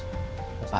tidak ada apa apa